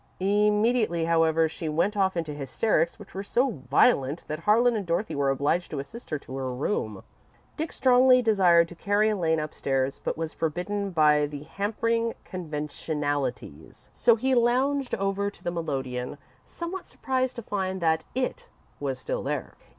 Immediately, however, she went off into hysterics, which were so violent that Harlan and Dorothy were obliged to assist her to her room. Dick strongly desired to carry Elaine upstairs, but was forbidden by the hampering conventionalities. So he lounged over to the melodeon, somewhat surprised to find that "It" was still there.